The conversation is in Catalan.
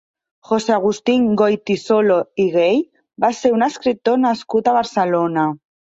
José Agustín Goytisolo i Gay va ser un escriptor nascut a Barcelona.